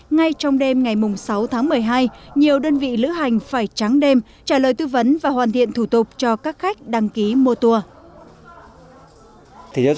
ngay trong đêm ngày sáu tháng một mươi hai nhiều đơn vị lữ hành phải trắng đêm trả lời tư vấn và hoàn thiện thủ tục cho các khách đăng ký mua tour